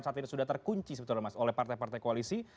saat ini sudah terkunci oleh partai partai koalisi